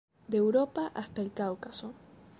De Europa hasta el Cáucaso.